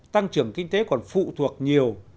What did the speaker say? tăng trưởng kinh tế còn phụ thuộc nhiều